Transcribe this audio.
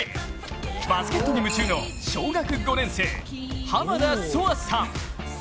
バスケットに夢中の小学５年生、浜田想空さん。